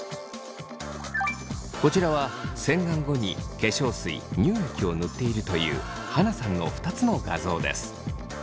こちらは洗顔後に化粧水乳液を塗っているというはなさんの２つの画像です。